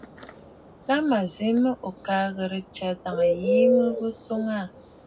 La mə̀ zi mə ò ka ghɨ̀rə tsyàtə ajàŋə mə mə̀ swòŋə aà.